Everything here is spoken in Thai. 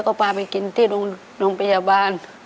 ก็ปลาไปกินที่นมพยาบาล